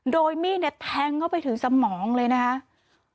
โดยมีดเนี่ยแทงเข้าไปถึงสมองเลยนะครับ